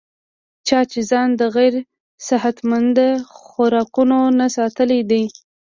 چا چې ځان د غېر صحتمند خوراکونو نه ساتلے دے